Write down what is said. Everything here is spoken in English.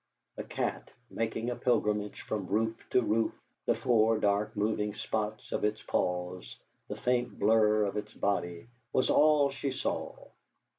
A cat, making a pilgrimage from roof to roof, the four dark moving spots of its paws, the faint blur of its body, was all she saw.